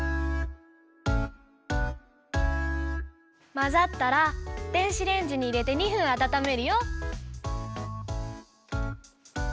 まざったら電子レンジにいれて２分あたためるよ。